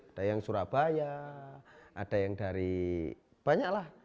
ada yang surabaya ada yang dari banyak lah